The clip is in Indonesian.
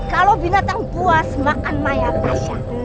kalau binatang buas makan mayat tasha